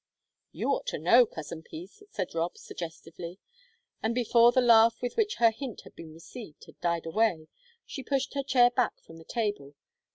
"You ought to know, Cousin Peace," said Rob, suggestively, and, before the laugh with which her hint had been received had died away, she pushed her chair back from the table.